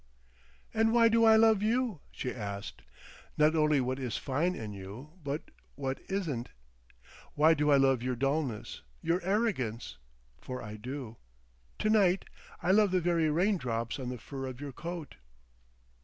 "And why do I love you?" she asked; "not only what is fine in you, but what isn't? Why do I love your dullness, your arrogance? For I do. To—night I love the very raindrops on the fur of your coat!"...